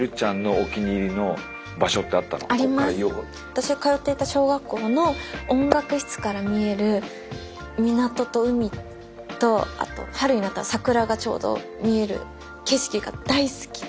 私が通っていた小学校の音楽室から見える港と海とあと春になったら桜がちょうど見える景色が大好きで。